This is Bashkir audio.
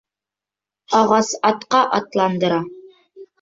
Ағас атҡа атландыра.